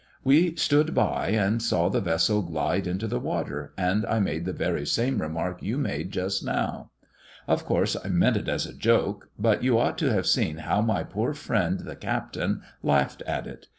We stood by, and saw the vessel glide into the water, and I made the very same remark you made just now. Of course I meant it as a joke. But you ought to have seen how my poor friend, the Captain, laughed at it.